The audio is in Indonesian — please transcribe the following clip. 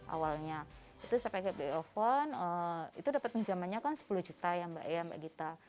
awalnya itu saya pakai beli oven itu dapat pinjamannya kan sepuluh juta ya mbak ya mbak gita